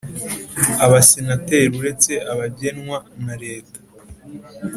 Abasenateri uretse abagenwa na leta